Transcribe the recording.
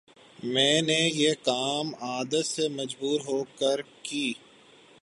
میں نے یہ کام عادت سے مجبور ہوکرکی